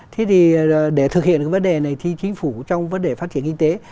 thế thì để thực hiện được vấn đề này thì chính phủ trong vấn đề phát triển kinh tế